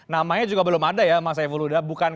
namanya juga belum ada ya mas efon huda bukan